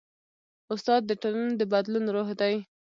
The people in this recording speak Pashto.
استاد د ټولنې د بدلون روح دی.